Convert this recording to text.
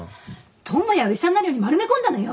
智也を医者になるように丸め込んだのよ。